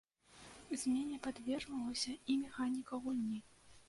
Змене падвергнулася і механіка гульні.